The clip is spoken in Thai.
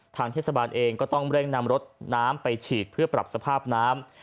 ทางทฤษฐกรรมนี้ก็เร่งนำรถน้ำไปฉีดเพื่อปรับสภาพน้ำ